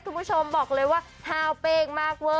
คุณผู้ชมบอกเลยว่าฮาวเป้งมากเวอร์